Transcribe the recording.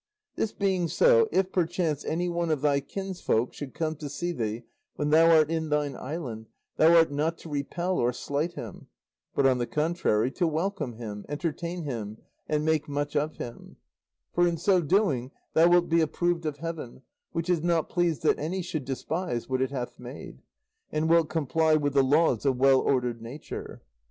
"This being so, if perchance anyone of thy kinsfolk should come to see thee when thou art in thine island, thou art not to repel or slight him, but on the contrary to welcome him, entertain him, and make much of him; for in so doing thou wilt be approved of heaven (which is not pleased that any should despise what it hath made), and wilt comply with the laws of well ordered nature.